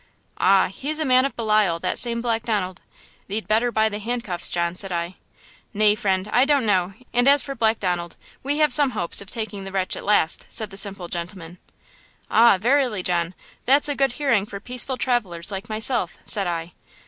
"'Ah! he's a man of Belial, that same Black Donald–thee'd better buy the handcuffs, John,' said I. "'Nay, friend, I don't know; and as for Black Donald, we have some hopes of taking the wretch at last!' said the simple gentleman. "'Ah, verily, John, that's a good hearing for peaceful travelers like myself,' said I.